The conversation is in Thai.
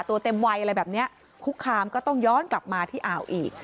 ตัวเต็มวัยอะไรแบบนี้คุกคามก็ต้องย้อนกลับมาที่อ่าวอีก